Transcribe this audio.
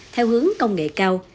theo hướng công nghệ cao